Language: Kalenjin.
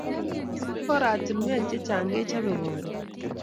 Oratunwek che chang kechape karon